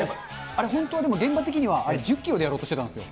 あれ、本当は現場的にはあれ、１０キロでやろうとしてたんですよ。